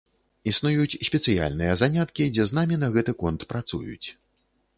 Існуюць спецыяльныя заняткі, дзе з намі на гэты конт працуюць.